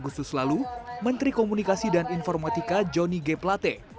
agustus lalu menteri komunikasi dan informatika johnny g plate